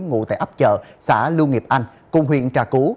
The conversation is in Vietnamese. ngủ tại ấp chợ xã lưu nghiệp anh cùng huyện trà cứu